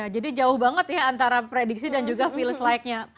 jadi jauh banget ya antara prediksi dan juga virus like nya